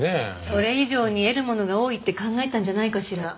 それ以上に得るものが多いって考えたんじゃないかしら。